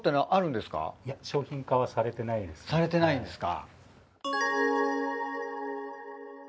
されてないんですか。